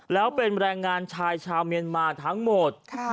แล้วเป็นแรงงานชายชาวเมียนมาทั้งหมด